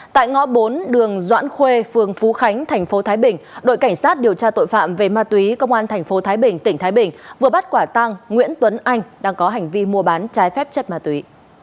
tại ngõ bốn đường doãn khuê phường phú khánh thành phố thái bình đội cảnh sát điều tra tội phạm về ma túy công an tp thái bình tỉnh thái bình vừa bắt quả tang nguyễn tuấn anh đang có hành vi mua bán trái phép chất ma túy